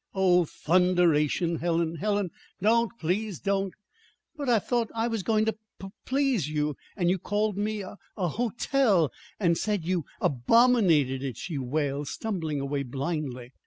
"Oh, thunderation! Helen, Helen, don't please don't!" "But I thought I was going to p please you, and you called me a h hotel, and said you a abominated it!" she wailed, stumbling away blindly.